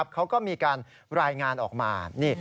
เขาก็มีการรายงานออกมา